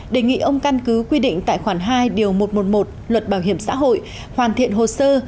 đề nghị ông căn cứ quy định tại khoản hai điều một trăm một mươi một luật bảo hiểm xã hội hoàn thiện hồ sơ